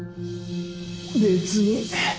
別に。